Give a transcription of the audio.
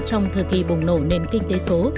trong thời kỳ bùng nổ nền kinh tế số